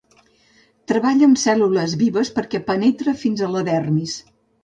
Treballa amb cèl·lules vives perquè penetra fins a la dermis.